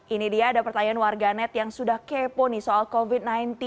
ini dia ada pertanyaan warganet yang sudah kepo nih soal covid sembilan belas